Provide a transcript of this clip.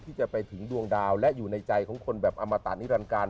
ที่จะไปถึงดวงดาวและอยู่ในใจของคนแบบอมตะนิรันการ